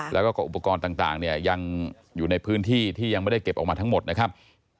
แล้วก็อุปกรณ์ต่างเนี่ยยังอยู่ในพื้นที่ที่ยังไม่ได้เก็บออกมาทั้งหมดนะครับ